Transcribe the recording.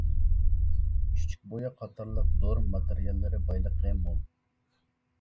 چۈچۈكبۇيا قاتارلىق دورا ماتېرىياللىرى بايلىقى مول.